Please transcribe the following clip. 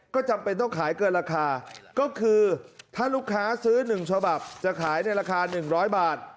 ก็จำเป็นต้องขายเกินราคาก็คือถ้าลูกค้าซื้อ๑ฉบับจะขายในราคา๑๐๐บาท